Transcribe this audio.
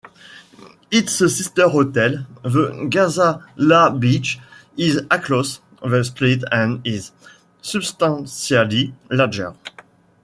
Its sister hotel, the Ghazala Beach, is across the street and is substantially larger.